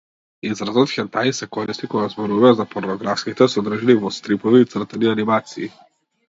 Изразот хентаи се користи кога зборуваме за порнографските содржини во стрипови и цртани анимации.